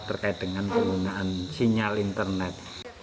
terkait dengan penggunaan sinyal internet